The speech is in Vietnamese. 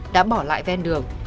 đã bỏ lại ven đường